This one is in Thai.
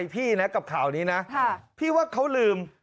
พี่นะกับข่าวนี้นะพี่ว่าเขาลืม